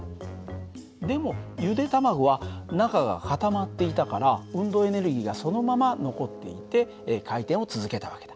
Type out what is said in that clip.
でもゆで卵は中が固まっていたから運動エネルギーがそのまま残っていて回転を続けた訳だ。